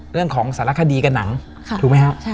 เรื่องของสารคดีกับหนังถูกไหมครับ